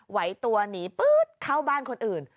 ไหวตัวหนีปื๊ดเข้าบ้านคนอื่น